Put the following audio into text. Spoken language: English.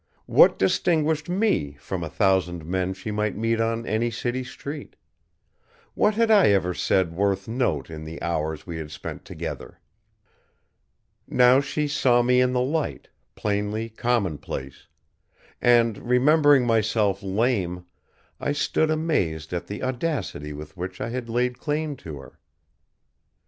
What distinguished me from a thousand men she might meet on any city street? What had I ever said worth note in the hours we had spent together? Now she saw me in the light, plainly commonplace; and remembering myself lame, I stood amazed at the audacity with which I had laid claim to her.